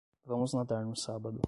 Vamos nadar no sábado.